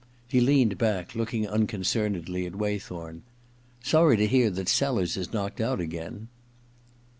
He leaned back, looking un concernedly at Waythorn. * Sorry to hear that Sellers is knocked out again.'